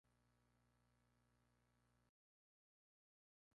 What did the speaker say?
Todos sus amigos del internado lo ayudan con esto.